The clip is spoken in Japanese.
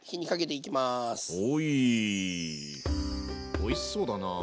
おいしそうだなあ。